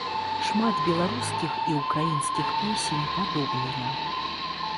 Шмат беларускіх і ўкраінскіх песень падобныя.